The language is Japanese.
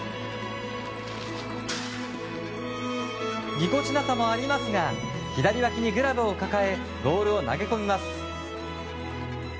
ぎこちなさもありますが左わきにグラブを抱えボールを投げ込みます。